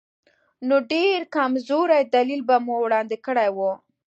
نو ډېر کمزوری دلیل به مو وړاندې کړی وي.